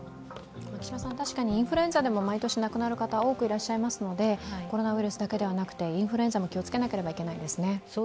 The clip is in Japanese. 確かにインフルエンザでも毎年亡くなる方が多くいらっしゃいますのでコロナウイルスだけでなくてインフルエンザも気をつけないといけないですね。